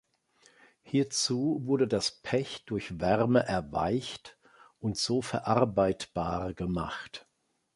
Hierzu wurde das Pech durch Wärme erweicht und so verarbeitbar gemacht.